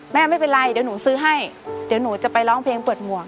ไม่เป็นไรเดี๋ยวหนูซื้อให้เดี๋ยวหนูจะไปร้องเพลงเปิดหมวก